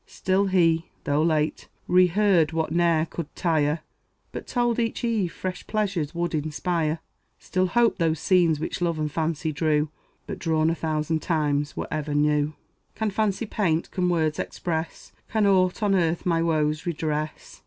Still he, though late, reheard what ne'er could tire, But, told each eve, fresh pleasures would inspire; Still hope those scenes which love and fancy drew, But, drawn a thousand times, were ever new. Can fancy paint, can words express, Can aught on earth my woes redress?